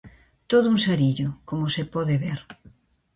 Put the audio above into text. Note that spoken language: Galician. Todo un sarillo, como se pode ver.